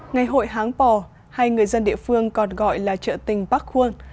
ngày hội háng bò hay người dân địa phương còn gọi là trợ tình bắc khuôn